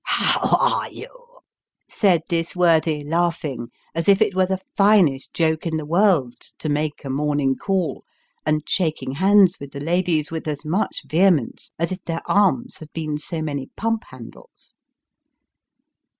" How arc you ?" said this worthy, laughing, as if it were the finest joke in the world to make a morning call, and shaking hands with the ladies with as much vehemence as if their arms had been so many pump handles.